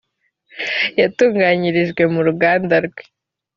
yatunganyirijwe mu ruganda rwe